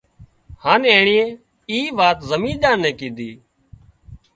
هانَ اينڻي اي وات زمينۮار نين ڪيڌي